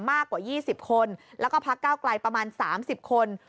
มากกว่ายี่สิบคนแล้วก็พักก้าวกลายประมาณสามสิบคน